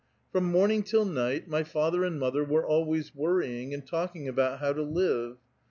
From morning till night my father and mother were always worrying and talking about how to live.